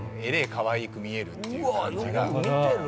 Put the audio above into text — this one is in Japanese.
かわいく見えるっていう感じが。